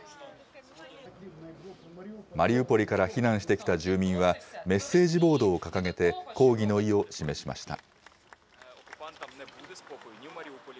マリウポリから避難してきた住民は、メッセージボードを掲げて抗議の意を示しました。